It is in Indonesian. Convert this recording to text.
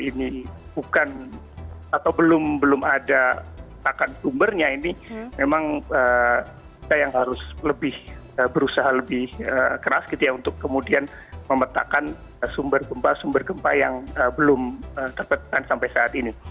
ini bukan atau belum ada akan sumbernya ini memang kita yang harus lebih berusaha lebih keras gitu ya untuk kemudian memetakan sumber gempa sumber gempa yang belum terpetakan sampai saat ini